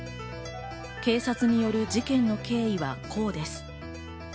警察による事件の経緯はこうです。